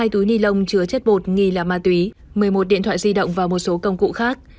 hai túi ni lông chứa chất bột nghi là ma túy một mươi một điện thoại di động và một số công cụ khác